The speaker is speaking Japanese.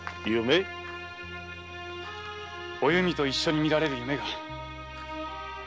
お弓と一緒に見られる夢が。